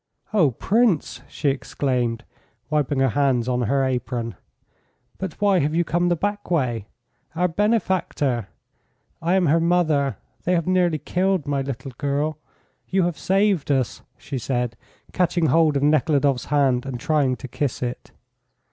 "Oh, Prince!" she exclaimed, wiping her hands on her apron. "But why have you come the back way? Our Benefactor! I am her mother. They have nearly killed my little girl. You have saved us," she said, catching hold of Nekhludoff's hand and trying to kiss it.